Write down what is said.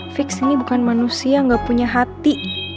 fix ini bukan manusia nggak punya hati